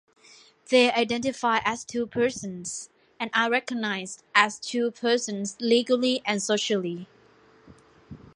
They identify as two persons, and are recognised as two persons legally and socially.